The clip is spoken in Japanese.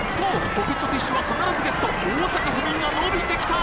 ポケットティッシュは必ずゲット大阪府民が伸びてきた！